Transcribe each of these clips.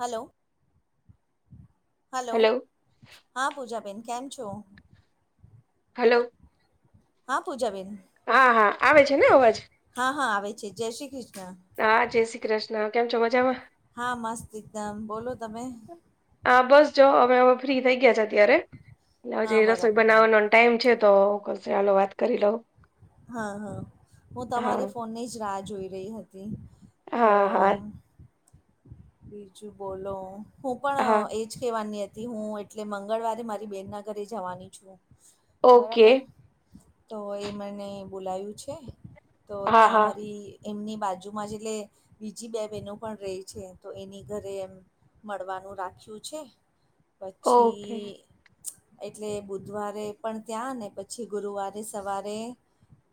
Hello hello હા પૂજાબેન કેમ છો. હલો હા પૂજાબન હા હા આવે છે. ને અવાજ હા હા આવે છે, જય શ્રી કૃષ્ણ હા જય શ્રી કૃષ્ણ કેમ છો, મજામા હા મસ્ત એકદમ બોલો તમે હા બસ જો અમે હવે ફ્રી થઇ ગયા છે. અત્યારે એટ હ હા જે રસોઈ બરાબર બનાવવાનો ટાઈમ છે. તો કલોો વાત કરી લઉ હા હા હું હા તમારી ફોનની જ રાહ જોઈ રહી હતી. તો હા હા બીજું બોલો હુ પણ હા એ જ કહેવાની હતી, હુ એટલે મંગળવારે મારી બેનના ઘરે જવાની છુ. ઓકે બરાબર તો એ મને બોલાયું છે. તો હા ત્યાં હા અમારી એમની બાજુમાં જેટલે બીજી બે બહેનો પણ રહી છે. તો એની ઘરે એમ મળવાનું રાખ્યું છે. પછી ઓકે એટલે બુધવારે પણ ત્યાં ને પછી ગુરુવારે સવારે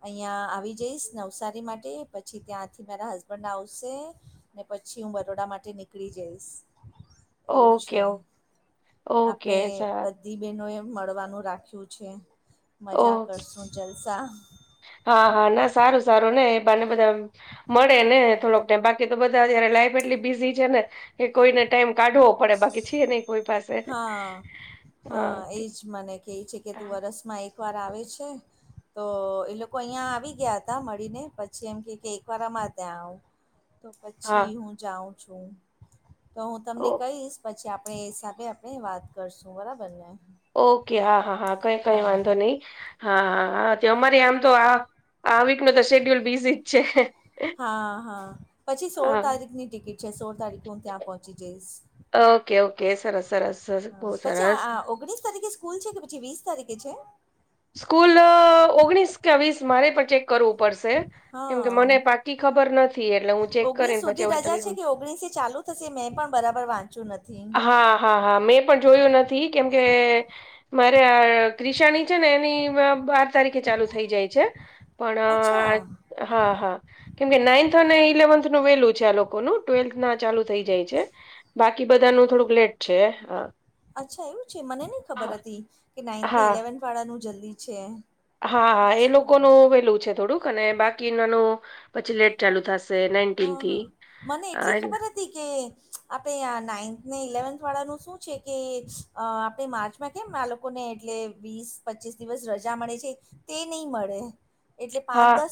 અહિયાં આવી જઈશ નવસારી માટે પછી ત્યાંથી મારા હસબન્ડ આવશે ને પછી હું બરોડા માટે નીકળી જઈશ એવું ઓકે છે. ઓકે આપડણે સર બધ દધી બહેનોએ મળવાનું રાખ્યું છે. મજા ઓકે કરશું જલસા હા હા ના સારુ સારુ ને ને બધા મળે ને થોડોક બાકી તો બધા્યારે લાઈફ એટલી બીઝી છેને. કે કોઈને ટાઈમ કાઢવો પડે બાકી છે, નહી કોઈ પાસે હા હા એ જ મને કહે છે. કે તું હા વરસમાં એકવાર આવે છે. તો એ લોકો અહિયાં આવી ગયા હતા, મળીને પછી એમ કે કે એક વારમા ત્યા આવ [inaudible] તો પછી હુ જાઉ છુ, તો હુ તમને ઓ કહીશ પછી આપડે સાથે હ આપણે વાત કરશું બરાબર ને ઓકે હા હા હા કઈ કઈ હા વાંધો નહી હા હા હા અમારે આમ તો આ આ નો તો શેડ્યુલ બિઝી જ છે. હા હા પછી સોળ હા તારીખની ટિકિટ છે. સોળ તારીખે હુ ત્યા પહોંચી જઈશ ઓકે ઓકે સરસ સરસ સરસ બહુ પછી સરસ ઓગણીસ તારીખે સ્કૂલ છે કે પછી વીસ તારીખે છે. સ્કૂલ ઓગણીસ કે વીસ મારે પણ ચેક કરવું પડશે કેમ કે હા મને પાકી ખબર નથી એટલે હું ચેક કરીને સુધી પછી હવે રજા છે તમને કે ઓગણીસ ચાલુ છ મેં પણ બરાબર વાંચ્યું નથી. હા હા હા મેં પણ જોયું નથી કેમકે મારે આ નિશાની છે ને, એની બાર તારીખે ચાલુ થઈ જાય છે, અચ્છા પણ હા, હા, કેમકે નાઈન્થ અને ઇલેવન્થનું વેલું છે, આ લોકોનું. ટ્વેલ્થ ના ચાલુ થઈ જાય છે, બાકી બધાનું થોડુંક લેટ છે, હા. અચ્છા એવું છે, મને નહીં ખબર હા હતી કે, હા નાઈન્થને-ઇલેવન્થ વાળાનું જલ્દી છે. હા, એ અચ્છા લોકોનું વેલું છે થોડુંક, અને બાકી નાનું પછી લેટ ચાલુ થશે, નાઈટીન થી એ. તી કે આપે, આ નાઈન્થને-ઇલેવથ વાળાનું શું છે કે, અ આપે માર્ચ મે કેમ આ લોકોને એટલે વીસ-પચીસ દિવસ રજા મળે છે, તે નઈ મળે. એટલે હા પાંચ-દસ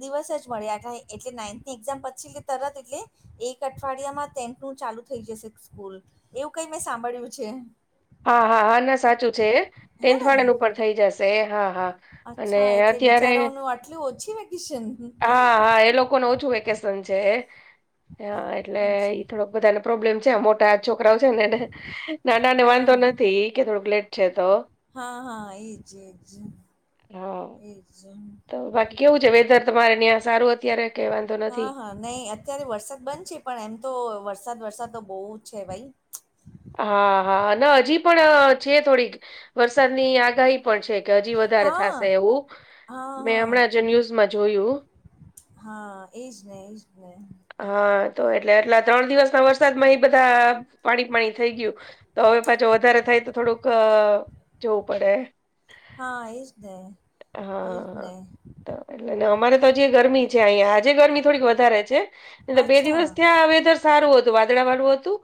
દિવસ જ મળે, આ એટલે નાઇન્થની એક્ઝામ પછી એટલે તરત એટલે. એક અઠવાડિયામાં ટેન્થનું ચાલુ થઈ જશે સ્કૂલ, એવું કઈ મેં સાંભળ્યું છે. હા, હા, હા, ના સાચું છે, હે ટેન્થ ને વાળાનું પણ થઈ જશે. હા, હા, અને અચ્છા એટલે અત્યારે બિચારાઓનું આટલું ઓછી વેકેશન હા હા, એ લોક કોનુ ઓછું વેકેશન છે, એટલે ઈ અચ્છા થોડોક બધાને પ્રોબ્લેમ છે, મોટા છોકરાઓ છેને, ને નાના ને હા વાંધો નથી કે, થોડુક લેટ છે તો. હા, હા, એજ, એજ હા એજ. તો બાકી કેવું છે વેધર તમારે ત્યાં? સારું અત્યારે કેવા હા, હા, નઈ અત્યારે વરસાદ બંધ છે, પણ એમ તો વરસાદ વરસાદ તો બો છે ભાઈ. હા, હા, ન હજી પણ છે થોડીક. વરસાદ ની આગાહી પણ છે કે, હજી વધારે હા થાશે એવું. હા મેં હા હમણાં જ ન્યૂઝમાં જોયું. હા, એજને એજને. હા, તો એટલે એટલા ત્રણ દિવસના વરસાદમાં એ બધાં પાણી પાણી થઈ ગયું તો, હવે પાછો વધારે થાય, તો થોડુંક જોવું પડે. હા, એજને એજને. હા તો એટલે ને, અમારે તો આજે ગરમી છે, અહીંયા આજે ગરમી થોડીક વધારે છે. એટલે બે અચ્છા દિવસ ત્યાં વેધર સારું હતું, વાદળા વાળું હતું,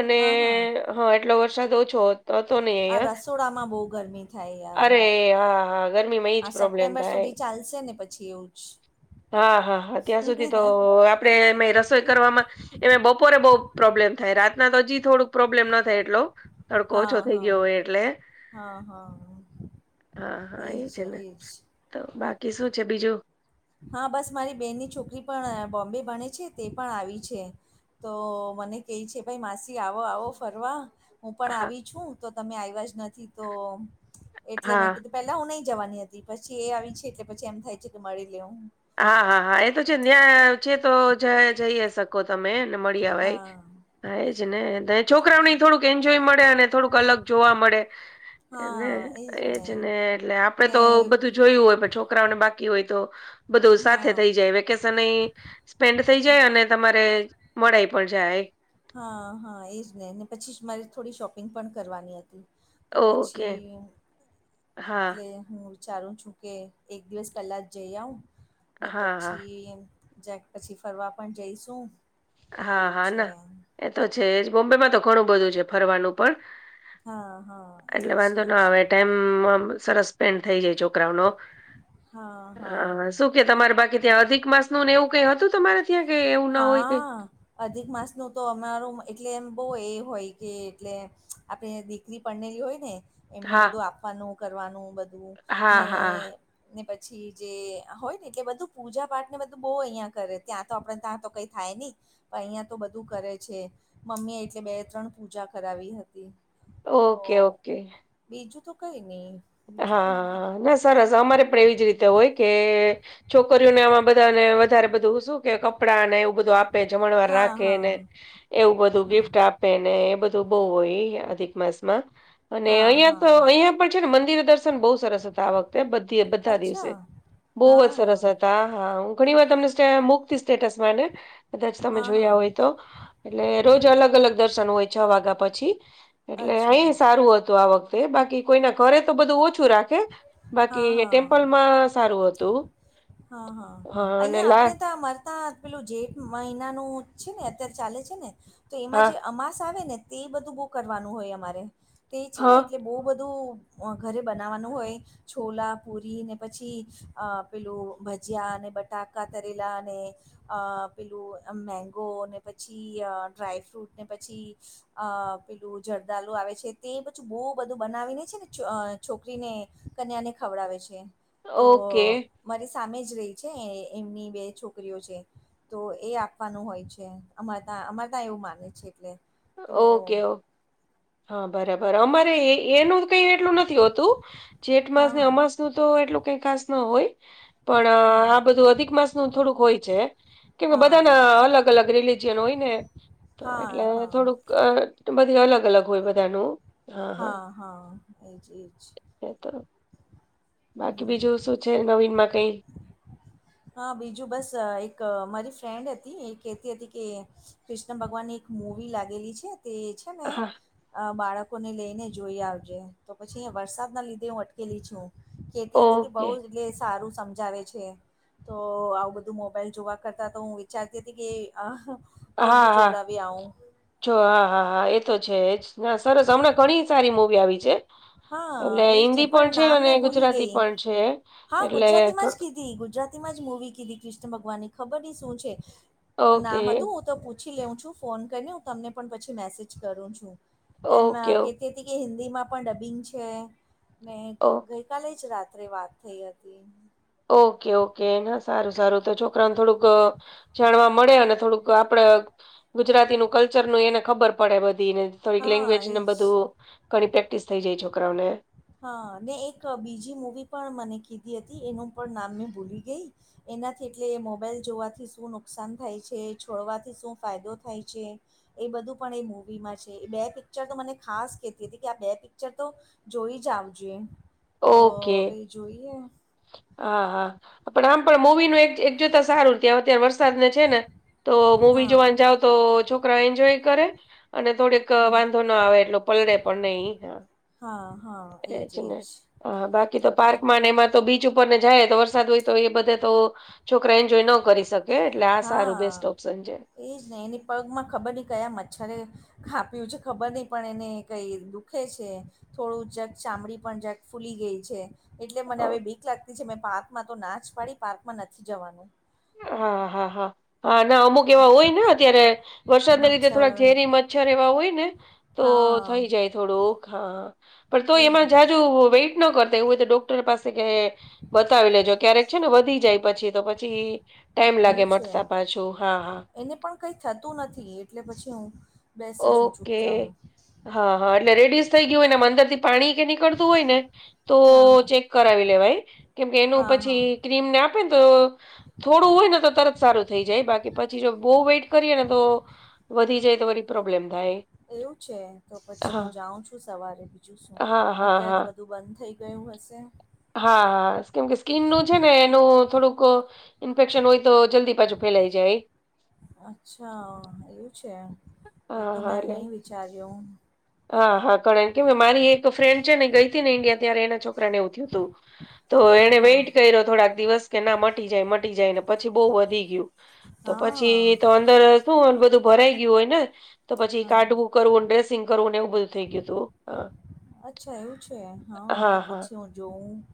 અને હા હા હ, એટલો વરસાદ ઓછો હોત. તોતો નઈ આ હ, રસોડામાં બહુ ગરમી થાય યાર અરે હા હા, ગરમીમાં આ એજ પ્રોબ્લેમ સપ્ટેમ્બર થાય. સુધી ચાલશે ને, પછી એવું જ. હા, હા, ત્યાં સુધી તો આપડે રસોઈ કરવામાં એ બપોરે બો પ્રોબ્લેમ થાય, રાતના તો હજી થોડુંક પ્રોબ્લેમ ન થાય, એટલો. તડકો હા ઓછો થઈ હા ગયો હોય, એટલે. હા હા હા, હા, એ એજ છેને, એજ તો બાકી શું છે બીજું? હા, બસ મારી બેનની છોકરી પણ બોમ્બે ભણે છે, તે પણ આવી છે. તો મને કેય છે, ભાઈ માસી આવો-આવો ફરવા. હું પણ હા આવી છું, તો તમે આયવા જ નથી, તો એટલે હા મેં કીધું. પેલા હું નઈ જવાની હતી, પછી એ આવી છે, એટલે પછી એમ થાય છે કે, મળી લેવ. હા, હા, હા, એતો છે, ન્યા છે, તો જઈ શકો તમે મળી આવાય. હા હા, એજને છોકરાઓની થોડુંક એન્જોય મળે, અને થોડુંક અલગ જોવા મળે. હા. એજ ને એજને, એટલે આપડે ને તો બધું જોયું હોય, પણ છોકરાઓને બાકી હોય તો ધુ સાથે હા થઈ જાય, વેકેશન એ સ્પેન્ડ થઈ જાય, અને તમારે મળાઈ પણ જાય. હા, હા, એજને ને, પછી જ મારે થોડી શોપિંગ પણ કરવાની અતી. તો ઓકે પછી હા, એટલે હું વિચારું છું કે, એક દિવસ પહેલાં જ જઈ આવું ને, હા, હા, પછી જેક પછી ફરવા પણ જઈશું. હા એવું હા છે ના એતો છેજ બોમ્બેમાં તો ઘણું બધું છે ફરવાનું પણ. હા હા એજ એજ. હમ, મમ સરસ પેન્ડ થઈ જાય છોકરાઓનો હા હા હ શું કે તમારે બાકી ત્યાં અધિક માસનુ ને એવું કઈ હતું તમારે? ત્યાં કે એવુ? હા. અધિક માસનું તો અમારું એટલે એમ બો એ હોય કે એટલે આપણે દી લી પન્નેલી હોય ને એમને હા બધું આપવાનું, કરવાનું બધું હા ને હા ને પછી જે હોય ને એટલે બધું પૂજા પાઠ ને બધું બો અહિયાં કરે ત્યાં તો આપડા તા તો કઈ થાય ની. પણ અહિયા તો બધું કરે છે મમ્મી એટલે બે ત્રણ પૂજા કરાવી હતી તો ઓકે ઓકે બીજું તો કઈ ની હા નેસ સરસ અમારે પણ એવી જ રીતે હોય કે છોકરીઓને આમાં બધાને વધારે બધું શું કે કપ પડા ને એવું બધું આપે જમણવાર હા હા રાખેને એવું બધું હા ગિફ્ટ આપ એને બધું બહુ હોય અધિક માસ માં અને હા અહિયાં હા તો અહિયાં પણ છે ને મંદિર બહુ સરસ હતા આ વખતે બઘી બધા અચ્છા દિવસે બહુ હા જ સરસ હા હતા હા હા હું ઘણી વાર તમને મૂકતી સ્ટેટસ માટે કદાચ તમે હા જોયા હોય તો એટલે રોજ અલગ અલગ દર્શન હોય છ વાગ્યા પછી એટલે અચ્છા અહીયા સારું હતું આ વખ તે બાકી કોઈના ઘરે તો બધું ઓછું રાખ ખે બાકી હા હા ટેમ્પલમાં સારું હતું હા હા અને અહિયાં લા આપડે તા મર તા પેલું જેઠ મહિનાનું છે ને અત્યારે ચાલે છે ને તો એમાં હા જે અમાસ આવે ને તે બધું બહુ કરવાનું હોય અમારે તે છે ને હા એટલે બહુ બધું ઘરે બ નાવાનું હોય છોલા પુરી ને પછી અ પેલું ભજીયા અને બટાકા તરેલા ને અ પેલું અમ મેંગો ને પછી અ ડ્રાયફ્રુટ ને પછી અ પેલું જરદાલુ આવે છે તે બછું બહુ બધું બનાવીને છે ને છોકરીને કન્યાને ખવડાવે છે તો ઓકે મારી સામે જ રેય છે એમની બે છોકરીઓ છે તો એ આપવાનું હોય છે અમારે તં અમારે ત્યાં એવું માને છે એટલે તો ઓકે ઓ હા બરાબર અમારે એ એનું કઈ એટલું નથી હોતું જેઠ માસ હા ને હા અમાસ નું તો એટલું કઈ ખાસ ન હોય પણ હા આ હા બધું અધિક માસ નું થોડુંક હોય છે કેમ હા બધાના બરાબર અલગ અલગ રિલિઝિયન હોય ને તો હા એટલે હા થોડુંક અ બઘી અલગ અલગ હોય બધાનું હા હા એજ એજ એ તો બાકી હમ બીજું શું છે નવીનમાં કઈ હા બીજું બસ એક મારી ફ્રેન્ડ હતી એ કેતી હતી કે કૃષ્ણ ભગવાનની એક મૂવી લાગેલી છે તે છે ને હા અ બાળકોને લઈને જોઈ આવજે તો પછી વરસાદના લીધે હું અટકેલી છું કેતી હતી કે ઓકે બહુ એટલે સારું સમજાવે છે તો આવું બધું મોબાઈલ જોવા કરતા તો હું વિચારતી હતી કે અહ હા હા જો હા હા હા એ તો છે જ ના સરસ હમણાં ઘણી સારી મૂવી આવી છે. એટલે હા એ જ ને હિન્દી પણ છે નામ અને મેં ભૂલી ગુજરાતી ગઈ પણ છે એટલે ગુજરાતી માં જ મુવી કીધી કૃષ્ણ ભગવાન ની ખબર શું છે. નામ ઓકે હતું હું તો પછી લઉ છું ફોન કરીને હું તમને પણ પછી મેસેજ કરું છું. એમ ઓકે ઓ કે કે કે હિન્દીમાં પણ ડબિંગ છે ને ઓ કંઈક કાલે જ રાત્રે વાત થઈ હતી. ઓકે ઓકે ના સારું સારું તો છોકરાને થોડુંક જાણવા મળે અને થોડુંક આપડે ગુજરાતી નું કલ્ચર નું એને ખબર પડે બધીને થોડીક હા લેંગવેજ એ ને જ બધું ઘણી પ્રેક્ટિસ થઈ જાય છોકરાઓ ને. હા ને એક બીજી મૂવી પણ મને કીધી હતી એનું પણ નામ મેં ભૂલી ગઈ. એનાથી એટલે મોબાઈલ જોવાથી શું નુકસાન થાય છે, છોડવાથી શું ફાયદો થાય છે એ બધું પણ એ મુવી માં છે એ બે પિક્ચર તો મને ખાસ કેતી હતી કે આ બે પિક્ચર તો જોઈ જ આવજો, તો ઓકે હવે જોઈએ હા હા પણ આમ પણ મૂવીનું એક એક જોતા સારું ત્યાં અત્યારે વરસાદને છે ને તો મવી હા જોવા જાવ તો છોકરા એન્જોય કરે અને થોડીક વાંધો ના આવે એટલો પલળે પણ નહી હા એજ ને. હા બાકી તો બી પાર્કમાં ને એમાં તો બીચ ઉપર ને જાય તો વરસાદ હોય તો એ બધા તો છોકરા જોઈ ન કરી શકે એટલે આ સારું બેસ્ટ ઓપ્શન છે. એ જ નહી એની પગમાં ખબર નહીં કયા મચ્છરે કાપ્યું છે ખબર નહીં પણ એને કંઈ દુ ખે છે થોડું જક ચામડી પણ જક ફૂલી ગઈ છે. એટલે મને હવે બીક લાગતી છે મેં પાર્કમાં તો નાચ પાડી પાર્કમાં નથી જવાનું. હા, હા, હા, હા ને અમુક કેવા હોય ને અત્યારે વરસાદને લીધે મચ્છર થોડાક ઝેરી મચ્છર એવા હોય ને તો હા થઈ જાય થોડુંક હા પણ તો એજ એમાં ને જાજ વેટ ન કરતાય હોય તો ડોક ટર પાસે કે બતાવી લેજો ક્યારેક છે ને વધી જાય પછી તો પછી ટાઈમ લાગે એવું છે મતા પાછું, હા હા. એને પણ કઈ થતું નથી એટલે પછી હું બેસી છું ઓકે. ચૂપચાપ હા હા એટલે રેડીસ થઈ ગયું હોય ને અંદર થી પાણી કે નીકળતું હોય ને તો હા હા ચેક કરાવી લેવાય કેમકે એનું હા પછી હા ક્રીમને આપે ને તો થોડું હોય ને તો તરત સારું થઈ જાય બાકી પછી જો બહુ વેઇટ કરીએ ને તો વધી જાય તો વરી પ્રોબ્લેમ થાય. એવું છે તો પછી હા હું જાઉં છું સવારે બીજું શું, હા હા અત્યારે હા તો બધ ધું બંધ થઈ ગયું હશે. હા કેમ કે સ્કીનનું છે ને એનું થોડુંક ઇન્ફેક્શન હોય તો જલ્દી પાછું ફેલાઈ જાય. અચ્છા એવું છે એ હા તો હા મેં એટલે નહીં વિચાર્યું. હા હા કરાઈ કેમ કે મારી એક ફ્રેન્ડ છે ને ગઈ હતી ને ઈન્ડિયા ત્યારે એના છોકરા ને એવું થયું હતું. તો એને હા વેટ કર્યો થોડાક દિવસ કે ના મટી જાય મટી જાયને પછી બહુ વધી ગયું. તો હા હા પછી તો શું બધું ભરાઈ ગયું હોય ને તો પછી હા કાઢવું, કરવું ડ્રેસિંગ કરું ન એવું બધું થઈ ગયું હતું, અચ્છા એવું છે હ, હા, તો હા. પછી હું જોઉં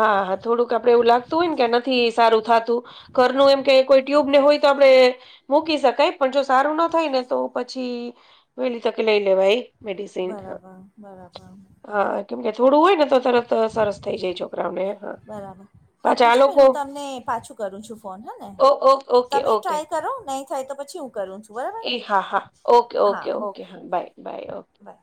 હા હા થોડુંક આપડે એવું લાગતું હોય ને કે નથી સારું થાતું ઘરનું એમ કે કોઈ ટ્યુબને હોય તો આપડે મૂકી શકાય પણ જો સારું ના થાય ને તો પછી વેલી તકે લઈ લેવાય મેડિસન બરાબર બરાબર હા કેમ કે થોડું હોયને તો તરત સરસ થઈ જાય છોકરાઓને હા બરાબર હા પાછા આ પૂજાબેન લોકો હું તમને પાછું કરું છું ફોન હે ને ઓ ઓ ઓકે તમે ઓકે ટ્રાય કરો નહીં થાય તો પછી હું કરું છું બરાબર એ હા હા ઓકે ઓકે ઓકે હા બાય બાય ઓકે બાય